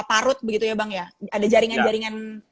parut begitu ya bang ya ada jaringan jaringan